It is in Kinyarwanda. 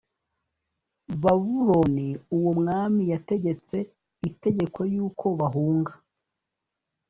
babuloni uwo mwami yategetse itegeko yuko bahunga